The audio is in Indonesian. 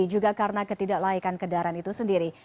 juga karena ketidaklaikan kendaraan itu sendiri